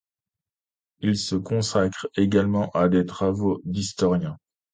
Il se consacre également à des travaux d'historien.